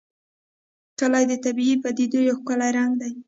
کلي د طبیعي پدیدو یو ښکلی رنګ دی.